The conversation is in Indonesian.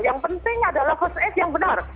yang penting adalah first aids yang benar